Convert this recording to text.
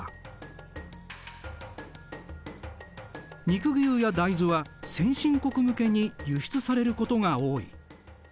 肉牛や大豆は先進国向けに輸出されることが多い。